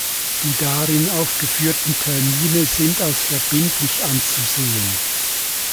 Die darin aufgeführten Termine sind als verbindlich anzusehen.